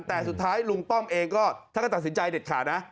แต่สุดท้ายลุงป้อมเองก็ท่านก็ตัดสินใจเด็ดขาดนะ